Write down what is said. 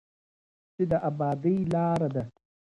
چې د ابادۍ لاره ده.